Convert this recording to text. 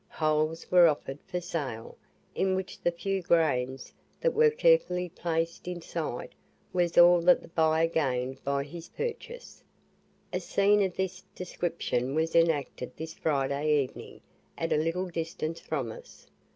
Holes were offered for sale, in which the few grains that were carefully placed in sight was all that the buyer gained by his purchase. A scene of this description was enacted this Friday evening, at a little distance from us.